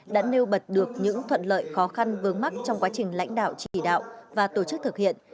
đã nêu bật được những thuận lợi khó khăn vướng mắt trong quá trình lãnh đạo chỉ đạo và tổ chức thực hiện